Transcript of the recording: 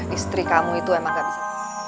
istri kamu itu emang gak bisa